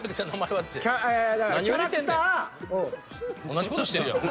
同じ事してるやん。